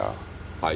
はい？